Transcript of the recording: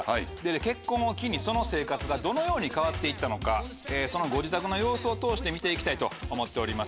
結婚を機にその生活がどのように変わって行ったのかそのご自宅の様子を通して見て行きたいと思っております。